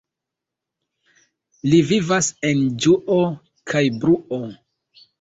Li vivas en ĝuo kaj bruo.